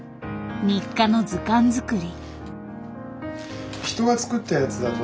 日課の図鑑作り。